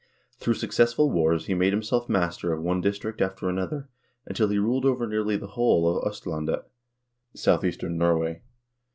Through successful wars he made himself master of one district after another, until he ruled over nearly the whole of 0stlandet (southeastern Norway).